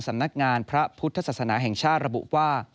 สำนักงานพระพุทธศาสนาแห่งชาติระบุว่า